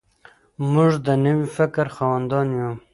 موږ د نوي فکر خاوندان یو.